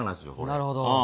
なるほど。